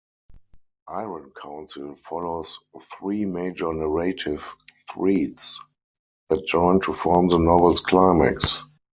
"Iron Council" follows three major narrative threads that join to form the novel's climax.